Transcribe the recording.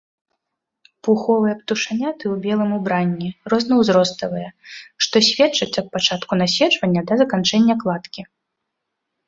Пуховыя птушаняты ў белым убранні, рознаўзроставыя, што сведчыць аб пачатку наседжвання да заканчэння кладкі.